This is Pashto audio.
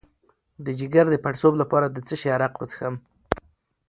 د ځیګر د پړسوب لپاره د څه شي عرق وڅښم؟